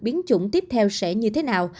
biến chủng tiếp theo sẽ như thế nào